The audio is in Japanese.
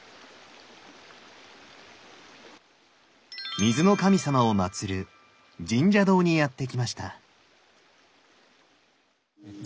水の神様をまつる深沙堂にやって来ました。